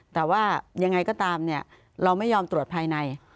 แต่ว่ายังไงก็ตามเนี่ยเราไม่ยอมตรวจภายใน